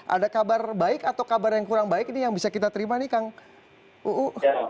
ada kabar baik atau kabar yang kurang baik ini yang bisa kita terima nih kang uu